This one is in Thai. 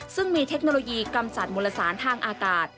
ซึ่งมีเทคโนโลยีกำจัดมูลสารทางอากาศ